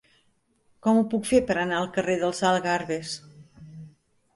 Com ho puc fer per anar al carrer dels Algarves?